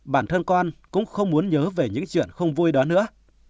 bản thân con cũng không muốn nhớ về những chuyện không vui đó nữa